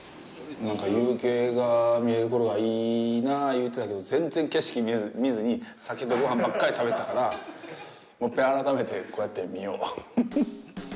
なんか、夕景が見えるころがいいな言うてたけど、全然、景色を見ずに酒とごはんばっかり食べたからもう一遍、改めて、こうやって見よう。